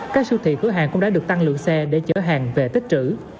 các siêu thị cửa hàng cũng đã được tăng lượng xe để chở hàng về tích trữ